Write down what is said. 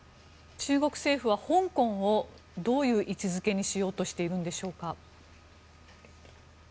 中国政府は香港をどういう位置づけにしようとしているんでしょうか。